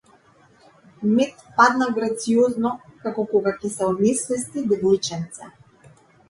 Мет падна грациозно, како кога ќе се онесвести девојченце.